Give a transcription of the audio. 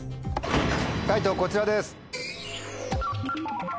解答こちらです。